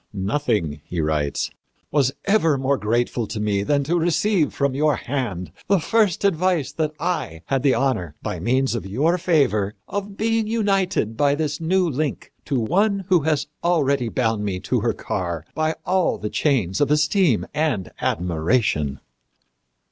"Nothing," he writes, "was ever more grateful to me than to receive from your hand the first advice that I had the honor, by means of your favor, of being united by this new link to one who had already bound me to her car by all the chains of esteem and admiration."